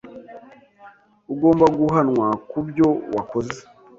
Ugomba guhanwa kubyo wakoze.